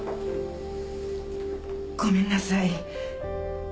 ごめんなさい